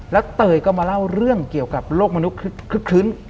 แล้วเตยก็มาเล่าเรื่องเกี่ยวกับโลกมนุษย์คลึกคลื้น